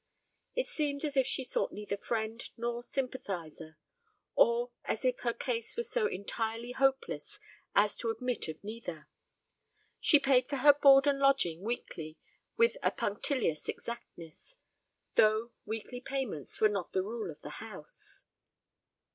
It seemed as if she sought neither friend nor sympathizer, or as if her case was so entirely hopeless as to admit of neither. She paid for her board and lodging weekly with a punctilious exactness, though weekly payments were not the rule of the house.